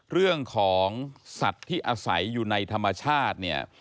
เรื่องของสัตว์ที่อาศัยอยู่ในธรรมชาติเนี่ย